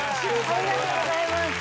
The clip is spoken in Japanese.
ありがとうございます。